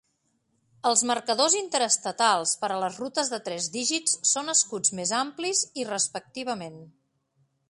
Els marcadors interestatals per a les rutes de tres dígits són escuts més amplis, i respectivament.